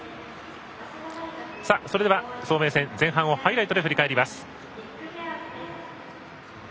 早明戦、前半をハイライトで振り返ります。